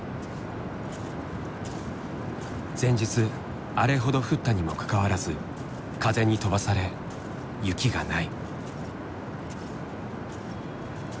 前日あれほど降ったにもかかわらず風に飛ばされ雪がない。